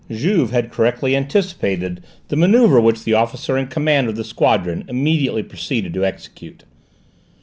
Juve had correctly anticipated the manoeuvre which the officer in command of the squadron immediately proceeded to execute.